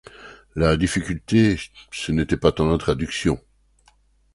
La difficulté, ce n'était pas tant la traduction.